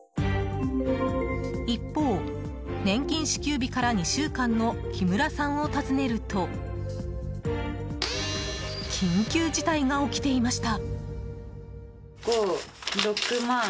一方、年金支給日から２週間の木村さんを訪ねると緊急事態が起きていました。